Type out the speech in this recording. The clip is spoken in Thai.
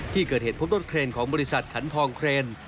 ที่เกิดเหตุพบรถเครนของบริษัทขันทองเครน